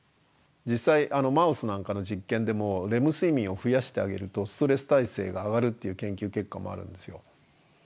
実際マウスなんかの実験でもレム睡眠を増やしてあげるとストレス耐性が上がるっていう研究結果もあるんですよ。